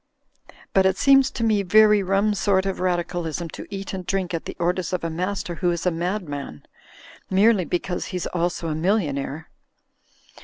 But it seems to me very rum sort of Radicalism to eat and drink at the orders of a master who is a madman, merely because he's also a millionaire.